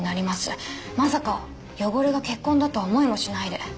まさか汚れが血痕だとは思いもしないで。